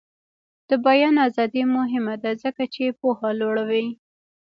د بیان ازادي مهمه ده ځکه چې پوهه لوړوي.